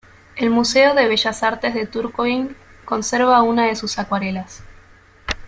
El Museo de Bellas Artes de Tourcoing conserva una de sus acuarelas.